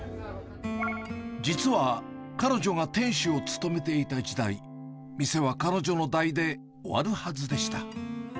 実は、彼女が店主を務めていた時代、店は彼女の代で終わるはずでした。